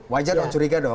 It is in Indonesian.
wajar dong curiga dong